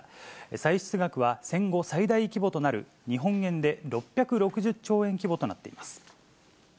歳出額は戦後最大規模となる、日本円で６６０兆円規模となっています。